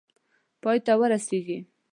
پای ته ورسیږي.